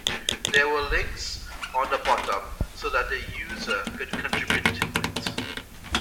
There were links on the bottom so that the user could contribute to it.